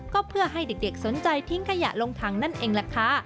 ก็เพื่อให้เด็กสนใจทิ้งขยะลงถังนั่นเองแหละค่ะ